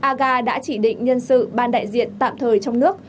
aga đã chỉ định nhân sự ban đại diện tạm thời trong nước